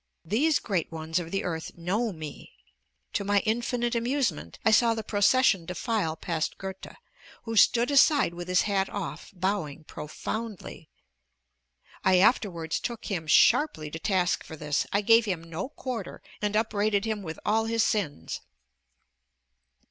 These great ones of the earth know me. To my infinite amusement, I saw the procession defile past Goethe, who stood aside with his hat off, bowing profoundly. I afterwards took him sharply to task for this; I gave him no quarter and upbraided him with all his sins.